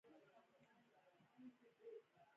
د شريف په سترګو کې اوبه وځلېدلې.